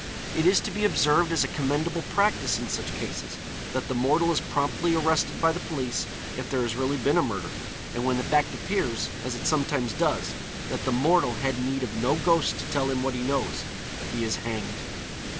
It is to be observed as a commendable practice in such cases, that the mortal is promptly arrested by the police if there has really been a murder; and when the fact appears, as it sometimes does, that the mortal had need of no ghost to tell him what he knows, he is hanged.